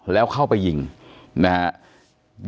แล้วเข้าไปยิงนะครับ